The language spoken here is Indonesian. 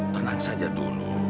tenang saja dulu